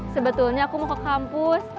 sebetulnya aku mau ke kampus